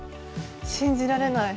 信じられない。